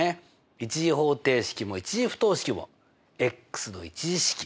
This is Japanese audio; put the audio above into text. １次方程式も１次不等式もの１次式。